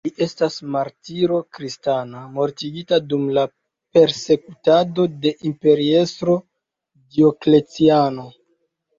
Li estas martiro kristana, mortigita dum la persekutado de imperiestro Diokleciano.